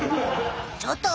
ちょっと！